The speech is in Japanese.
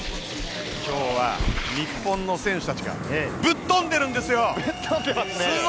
今日は日本の選手たちがぶっ飛んでいるんですよ！